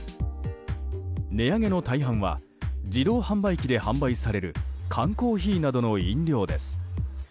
値上げの大半は自動販売機で販売される缶コーヒーなどの飲料です。